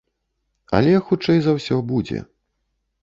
Але, хутчэй за ўсё, будзе.